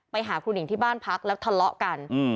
ไปหาครูหนิงที่บ้านพักแล้วทะเลาะกัน